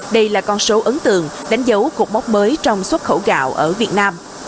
đây là con số ấn tượng đánh dấu cuộc bóc mới trong xuất khẩu gạo ở việt nam